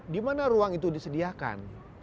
di mana ruang itu disediakan